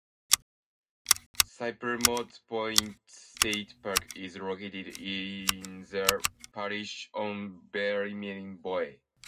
Cypremort Point State Park is located in the parish on Vermilion Bay.